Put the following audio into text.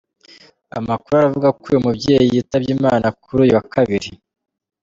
Amakuru aravuga ko uyu mubyeyi yitabye Imana kuri uyu wa kabiri.